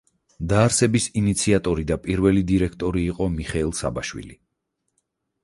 დაარსების ინიციატორი და პირველი დირექტორი იყო მიხეილ საბაშვილი.